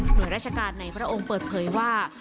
โดยราชการในพระองค์เปิดเผยว่า